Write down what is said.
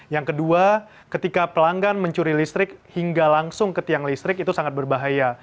yang kedua ketika pelanggan mencuri listrik hingga langsung ke tiang listrik itu sangat berbahaya